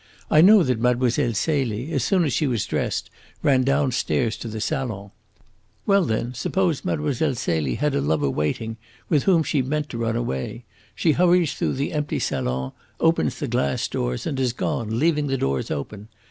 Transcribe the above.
I know that Mlle. Celie, as soon as she was dressed, ran downstairs to the salon. Well, then, suppose Mlle. Celie had a lover waiting with whom she meant to run away. She hurries through the empty salon, opens the glass doors, and is gone, leaving the doors open.